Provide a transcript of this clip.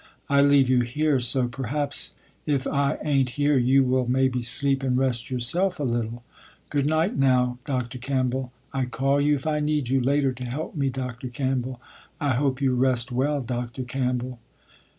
I leave you here, so perhaps if I ain't here you will maybe sleep and rest yourself a little. Good night now, Dr. Campbell, I call you if I need you later to help me, Dr. Campbell, I hope you rest well, Dr. Campbell."